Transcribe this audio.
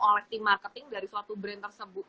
oleh tim marketing dari suatu brand tersebut